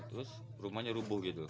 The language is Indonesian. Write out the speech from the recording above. terus rumahnya rubuh gitu